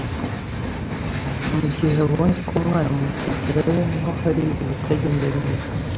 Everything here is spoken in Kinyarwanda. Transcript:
mu gihe abonye ko umwana mu kigero arimo hari ibitagenda neza.